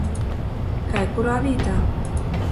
Kai kurā vītā.